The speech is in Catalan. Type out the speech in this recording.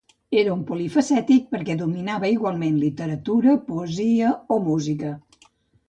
Era un polifacètic perquè dominava igualment literatura, poesia o música.